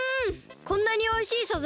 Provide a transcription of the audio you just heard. こんなにおいしいサザエ